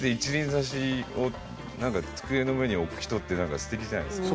挿しを机の上に置く人ってなんか素敵じゃないですか。